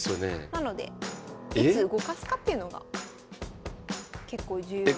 なのでいつ動かすかっていうのが結構重要な。